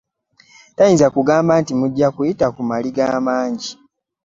Tayinza kugamba nti mujja kuyiita ku maliga amangi .